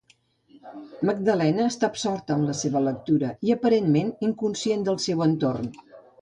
Magdalena està absorta en la seva lectura i aparentment inconscient del seu entorn.